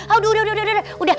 aduh udah udah